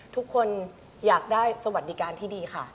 ทุกคนอยากได้สวัสดิการที่ดีค่ะ